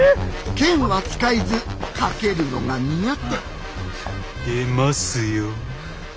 剣は使えず駆けるのが苦手出ますよ。